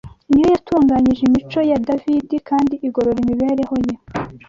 ni yo yatunganyije imico ya Davidi kandi igorora imibereho ye